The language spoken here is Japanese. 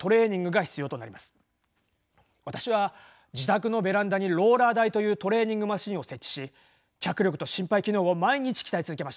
私は自宅のベランダにローラー台というトレーニングマシンを設置し脚力と心肺機能を毎日鍛え続けました。